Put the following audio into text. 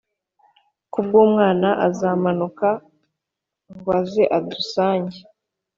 Kukw Umwam' azamanuka ngw az' adusange,